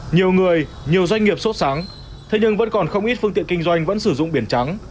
nhiều người nhiều doanh nghiệp sốt sáng thế nhưng vẫn còn không ít phương tiện kinh doanh vẫn sử dụng biển trắng